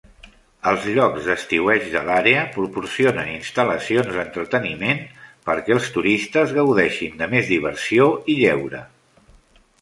Els llocs d'estiueig de l'àrea proporcionen instal·lacions d'entreteniment perquè els turistes gaudeixin de més diversió i lleure.